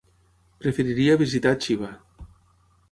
Preferiria visitar Xiva.